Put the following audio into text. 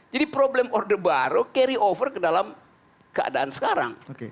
problem orde baru carry over ke dalam keadaan sekarang